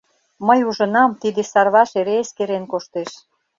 Мый ужынам, тиде Сарваш эре эскерен коштеш.